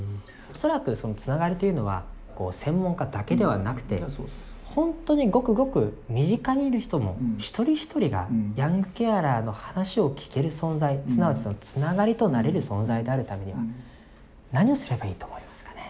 恐らくそのつながりというのは専門家だけではなくて本当にごくごく身近にいる人の一人一人がヤングケアラーの話を聞ける存在すなわちそのつながりとなれる存在であるためには何をすればいいと思いますかね？